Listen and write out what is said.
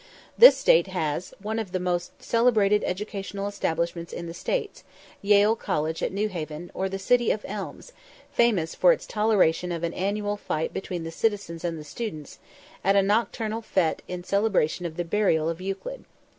This state has one of the most celebrated educational establishments in the States, Yale College at Newhaven, or the City of Elms, famous for its toleration of an annual fight between the citizens and the students, at a nocturnal fête in celebration of the burial of Euclid.